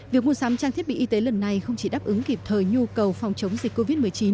việc mua sắm trang thiết bị y tế lần này không chỉ đáp ứng kịp thời nhu cầu phòng chống dịch covid một mươi chín